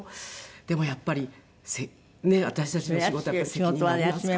でもやっぱりねえ私たちの仕事は責任がありますから。